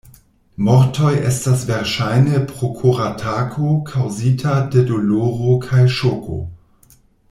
Mortoj estas verŝajne pro koratako kaŭzita de doloro kaj ŝoko.